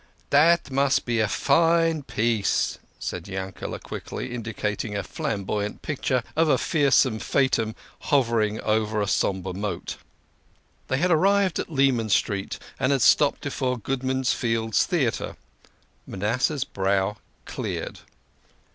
"Dat must be a fine piece," said Yankele' quickly, indi cating a flamboyant picture of a fearsome phantom hovering over a sombre moat. 9 They had arrived at Leman Street, and had stopped be fore Goodman's Fields Theatre. Manasseh's brow cleared.